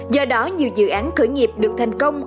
do đó nhiều dự án khởi nghiệp được thành công